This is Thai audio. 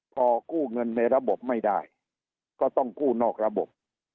พอกู้เงินในระบบไม่ได้ก็ต้องกู้นอกระบบ